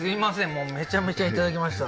もうめちゃめちゃいただきました